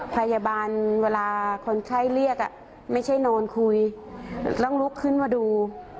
พยาบาลเวลาคนไข้เรียกไม่ใช่นอนคุยต้องลุกขึ้นมาดู